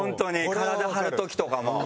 体張る時とかも。